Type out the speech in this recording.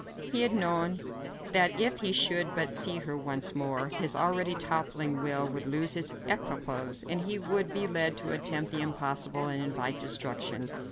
He had known that if he should but see her once more, his already toppling will would lose its equipoise, and he would be led to attempt the impossible and invite destruction.